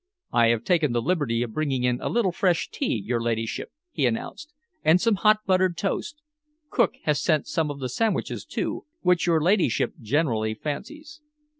"I have taken the liberty of bringing in a little fresh tea, your ladyship," he announced, "and some hot buttered toast. Cook has sent some of the sandwiches, too, which your ladyship generally fancies."